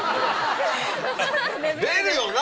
出るよな！